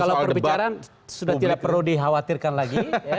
jadi kalau berbicara sudah tidak perlu dikhawatirkan lagi